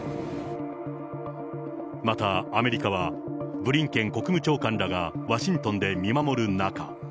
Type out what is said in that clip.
またアメリカはブリンケン国務長官らがワシントンで見守る中。